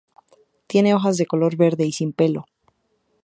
Tiene hojas de color verde y sin pelo.